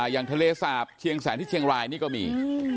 อย่างทะเลสาบเชียงแสนที่เชียงรายนี่ก็มี